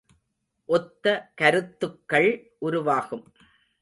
ஒத்த கருத்துக்கள் உருவாகும்.